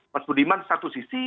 mas budiman satu sisi